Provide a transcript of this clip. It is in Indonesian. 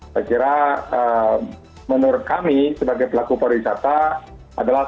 saya kira menurut kami sebagai pelaku para wisata adalah